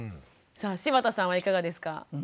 柴田さんはいかがですか？